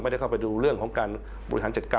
ได้เข้าไปดูเรื่องของการบริหารจัดการ